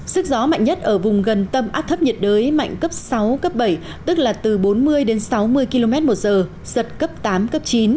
sức gió mạnh nhất ở vùng gần tâm áp thấp nhiệt đới mạnh cấp sáu cấp bảy tức là từ bốn mươi đến sáu mươi km một giờ giật cấp tám cấp chín